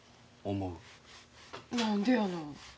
何でやの。